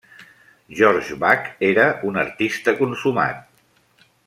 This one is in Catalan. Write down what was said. George Back era un artista consumat.